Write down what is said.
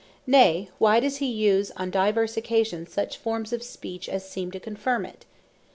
nay why does he use on diverse occasions, such forms of speech as seem to confirm it?